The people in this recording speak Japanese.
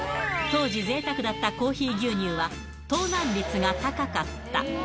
当時、ぜいたくだったコーヒー牛乳は、盗難率が高かった。